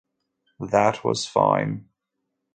That was fine.